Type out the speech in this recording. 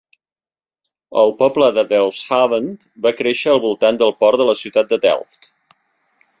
El poble de Delfshaven va créixer al voltant del port de la ciutat de Delft.